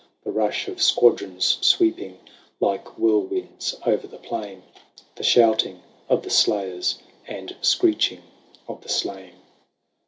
The rush of squadrons sweeping Like whirlwinds o'er the plain, The shouting of the slayers. And screeching of the slain.